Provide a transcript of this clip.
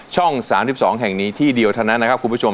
ช่อง๓๒แห่งนี้ที่เดียวเท่านั้นนะครับคุณผู้ชม